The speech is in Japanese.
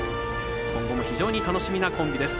今後も非常に楽しみなコンビです。